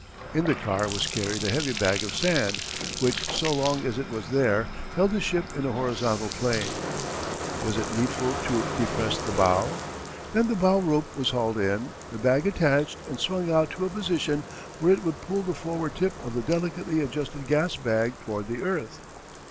In the car was carried a heavy bag of sand, which so long as it was there held the ship in a horizontal plane. Was it needful to depress the bow? Then the bow rope was hauled in, the bag attached, and swung out to a position where it would pull the forward tip of the delicately adjusted gas bag toward the earth.